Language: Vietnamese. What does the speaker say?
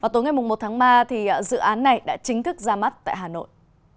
tối ngày một tháng ba dự án này đã chính thức ra mắt tại hà nội